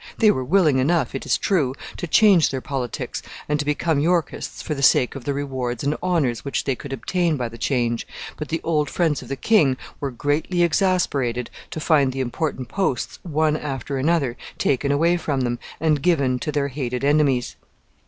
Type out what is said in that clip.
They were willing enough, it is true, to change their politics and to become Yorkists for the sake of the rewards and honors which they could obtain by the change, but the old friends of the king were greatly exasperated to find the important posts, one after another, taken away from them, and given to their hated enemies.